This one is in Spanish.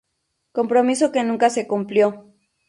Compromiso que nunca se cumplió.